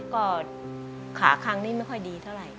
ก็ขาครั้งนี้ไม่ค่อยดีเท่าไหร่